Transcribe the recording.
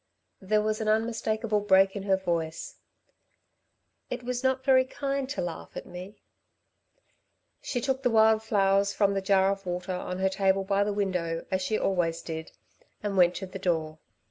There was an unmistakable break in her voice. "It was not very kind ... to laugh at me." She took the wild flowers from the jar of water on her table by the window, as she always did, and went to the door.